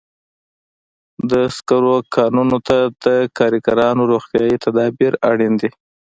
د سکرو کانونو ته د کارګرانو روغتیايي تدابیر اړین دي.